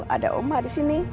ada oma disini